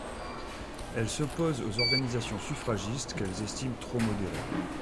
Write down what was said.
Elles s'opposent aux organisations suffragistes, qu'elles estiment trop modérées.